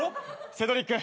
セドリック。